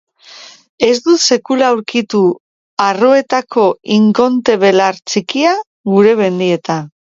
Ez dut sekula aurkitu arroetako inkonte-belar ttikia gure mendietan.